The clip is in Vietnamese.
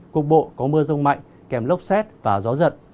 cục bộ có mưa rông mạnh kèm lốc xét và gió giật